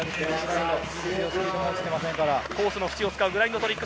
コースの縁を使うグラインドトリック。